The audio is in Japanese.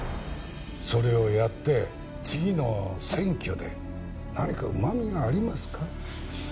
それをやって次の選挙で何かうまみがありますか？